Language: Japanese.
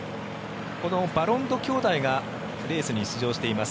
このバロンド兄弟がレースに出場しています